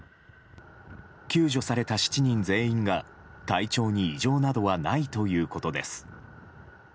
救助された７人全員が、体調に異常などはないということです。